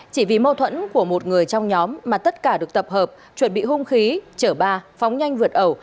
chỉ vì mâu thuẫn của một người trong nhóm mà tất cả được tập hợp chuẩn bị hung khí chở ba phóng nhanh vượt ẩu